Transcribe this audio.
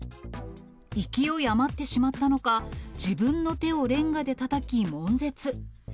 勢い余ってしまったのか、自分の手をレンガでたたき、もん絶。